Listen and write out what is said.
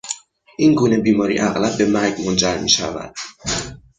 این گونه بیماری اغلب به مرگ منجر میشود.